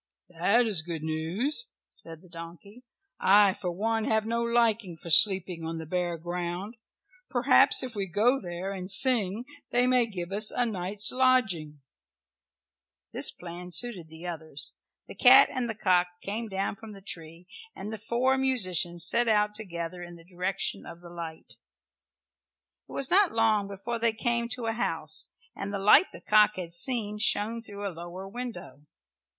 "That is good news," said the donkey. "I for one have no liking for sleeping on the bare ground. Perhaps if we go there and sing they may give us a night's lodging." This plan suited the others. The cat and the cock came down from the tree, and the four musicians set out together in the direction of the light. It was not long before they came to a house and the light the cock had seen shone through a lower window.